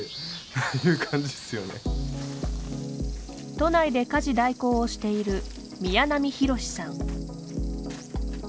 都内で家事代行をしている宮南洋さん。